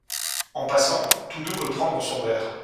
En passant, Toudoux veut prendre son verre.